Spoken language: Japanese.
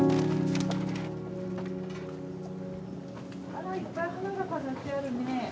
あらいっぱい花が飾ってあるね。